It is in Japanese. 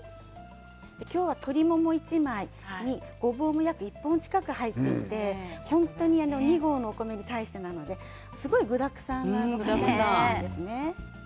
今日は鶏もも１枚にごぼうも約１本近く入っていて本当に２合のお米に対してなのですごい具だくさんなんですね。